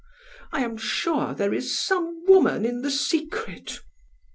I am sure there is some woman in the secret."